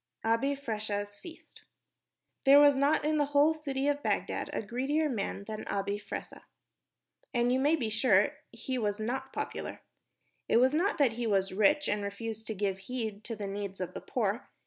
Abi Fressah's Feast There was not in the whole city of Bagdad a greedier man than Abi Fressah, and you may be sure he was not popular. It was not that he was rich and refused to give heed to the needs of the poor.